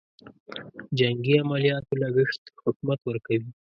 جنګي عملیاتو لګښت حکومت ورکوي.